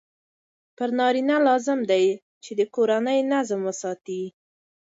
پر نارینه لازم دی چې د کورني نظم وساتي.